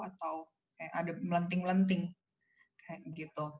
atau ada melenting melenting